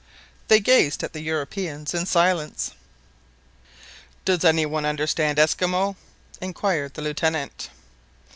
They gazed at the Europeans in silence. "Does any one understand Esquimaux?" inquired the Lieutenant.